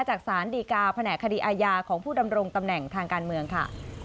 จากสารดีกาแผนกคดีอาญาของผู้ดำรงตำแหน่งทางการเมืองค่ะ